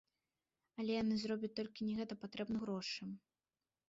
Але яны зробяць, толькі на гэта патрэбны грошы.